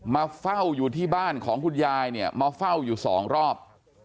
มาเฝ้าอยู่ที่บ้านของคุณยายเนี่ยมาเฝ้าอยู่สองรอบ